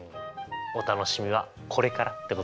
お楽しみはこれからってことですね。